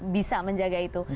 bisa menjaga itu